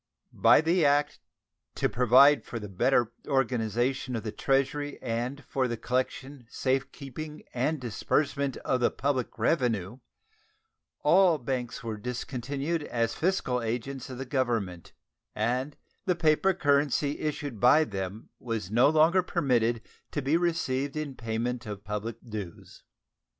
By the act to "provide for the better organization of the Treasury and for the collection, safe keeping, and disbursement of the public revenue" all banks were discontinued as fiscal agents of the Government, and the paper currency issued by them was no longer permitted to be received in payment of public dues.